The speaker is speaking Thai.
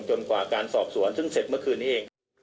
กว่าการสอบสวนซึ่งเสร็จเมื่อคืนนี้เอง